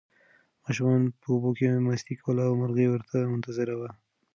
ماشومانو په اوبو کې مستي کوله او مرغۍ ورته منتظره وه.